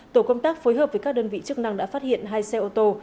tổ công tác phối hợp với các đơn vị chức năng đã phát hiện hai xe ô tô